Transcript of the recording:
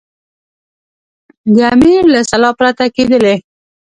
د امیر له سلا پرته کېدلې.